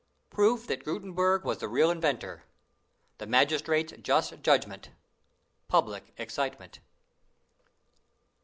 Proof that Gutenberg was the Real Inventor. The Magistrate's Just Judgment. Public Excitement.